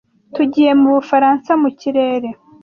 Tugiye mu Bufaransa mu kirere.